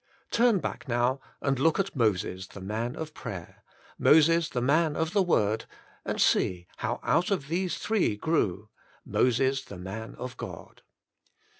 Turn back now and look at'^Moses, the man^f prayer, 'Moses, the man of the word, and see how ^^ out of these three grew — Moses, the man of God.